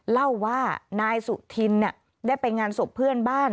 เล่าว่านายสุธินได้ไปงานศพเพื่อนบ้าน